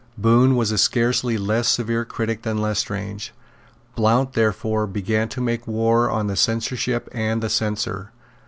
Bohun was a scarcely less severe critic than Lestrange. Blount therefore began to make war on the censorship and the censor.